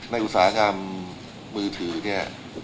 อุตสาหกรรมมือถือเนี่ย